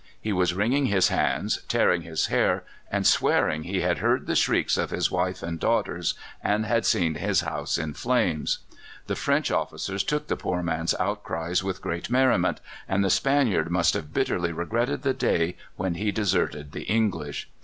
He was wringing his hands, tearing his hair, and swearing he had heard the shrieks of his wife and daughters, and had seen his house in flames. The French officers took the poor man's outcries with great merriment, and the Spaniard must have bitterly regretted the day when he deserted the English.